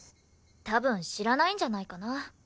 多分知らないんじゃないかな。